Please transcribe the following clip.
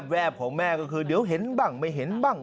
แวบของแม่ก็คือเดี๋ยวเห็นบ้างไม่เห็นบ้าง